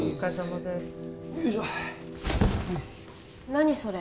何それ？